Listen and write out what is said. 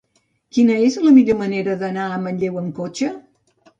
Quina és la millor manera d'anar a Manlleu amb cotxe?